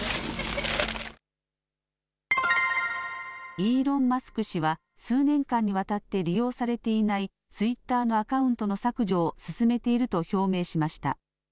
イーロン・マスク氏は数年間にわたって利用されていないツイッターのアカウントの削除を進めていると表明しました。